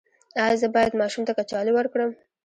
ایا زه باید ماشوم ته کچالو ورکړم؟